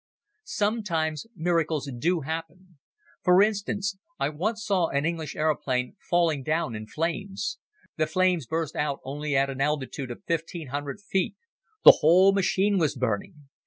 Sometimes miracles do happen. For instance, I once saw an English aeroplane falling down in flames. The flames burst out only at an altitude of fifteen hundred feet. The whole machine was burning.